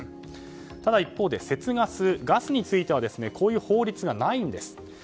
ただ一方で、節ガスガスについてはこういう法律がないんです。